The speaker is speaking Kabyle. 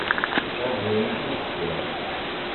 Ad d-nini tidet kan.